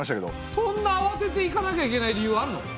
そんなあわてて行かなきゃいけない理由あるの？